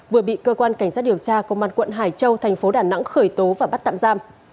vừa bị cơ quan cảnh sát điều tra công an quận hải châu thành phố đà nẵng khởi tố và bắt tạm giam